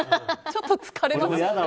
ちょっと疲れますよね。